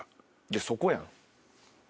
そこやん。